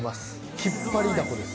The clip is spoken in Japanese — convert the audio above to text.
引っ張りだこです。